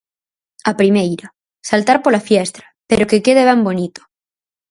A primeira: saltar pola fiestra, pero que quede ben bonito.